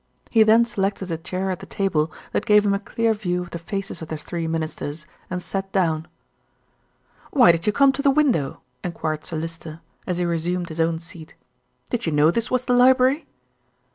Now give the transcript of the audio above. He then selected a chair at the table that gave him a clear view of the faces of the three Ministers, and sat down. "Why did you come to the window?" enquired Sir Lyster, as he resumed his own seat. "Did you know this was the library?"